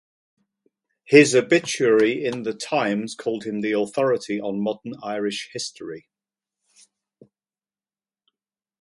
His obituary in "The Times" called him "the authority on modern Irish history".